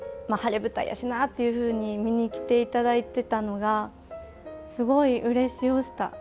「まあ晴れ舞台やしな」というふうに見に来ていただいてたのがすごいうれしおした。